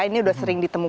ini udah sering ditemukan